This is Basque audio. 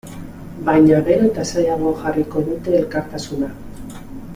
Baina gero eta zailago jarriko dute elkartasuna.